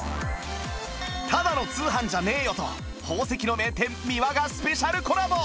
『タダの通販じゃねよ！』と宝石の名店ミワがスペシャルコラボ！